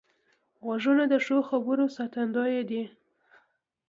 غوږونه د ښو خبرو ساتندوی دي